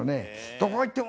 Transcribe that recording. どこ行っても。